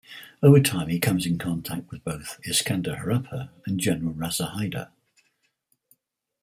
Over time, he comes in contact with both Iskander Harappa and General Raza Hyder.